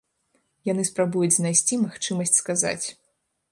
Яны спрабуюць знайсці магчымасць сказаць.